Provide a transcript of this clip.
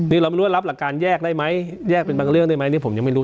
นี่เราไม่รู้ว่ารับหลักการแยกได้ไหมแยกเป็นบางเรื่องได้ไหมนี่ผมยังไม่รู้